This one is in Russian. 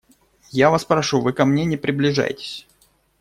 Я вас прошу, вы ко мне не приближайтесь.